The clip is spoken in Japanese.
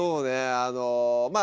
あのまあ